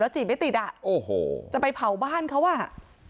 จีบไม่ติดอ่ะโอ้โหจะไปเผาบ้านเขาอ่ะ